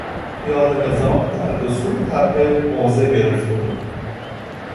پیاده نظام در دو سوی تپه موضع گرفته بود.